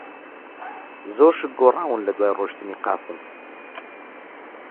زۆر شت گۆڕاون لەدوای ڕۆیشتنی قاسم.